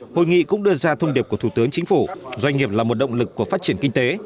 hội nghị cũng đưa ra thông điệp của thủ tướng chính phủ doanh nghiệp là một động lực của phát triển kinh tế